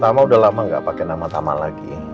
tama udah lama enggak pakai nama tama lagi